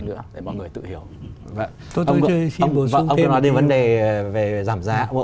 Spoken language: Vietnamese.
nữa để mọi người tự hiểu